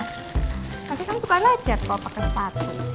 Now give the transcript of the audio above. kakek kan suka lecet kalau pakai sepatu